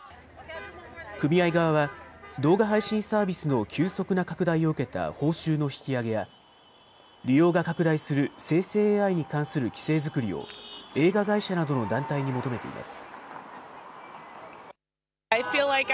組合側は、動画配信サービスの急速な拡大を受けた報酬の引き上げや、利用が拡大する生成ＡＩに関する規制作りを映画会社などの団体に求めています。